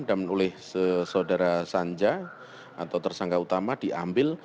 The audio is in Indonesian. dan oleh saudara sanja atau tersangka utama diambil